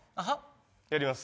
やります。